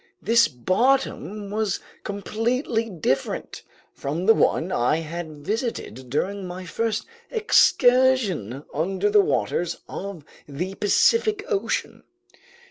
This bottom was completely different from the one I had visited during my first excursion under the waters of the Pacific Ocean.